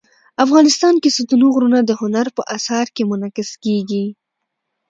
افغانستان کې ستوني غرونه د هنر په اثار کې منعکس کېږي.